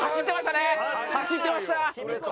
走ってましたね！